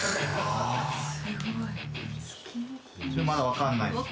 まだ分かんない？